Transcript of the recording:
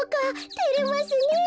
てれますねえ。